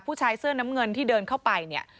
ผู้ชายเสื้อน้ำเงินที่เดินเข้าไปเนี่ย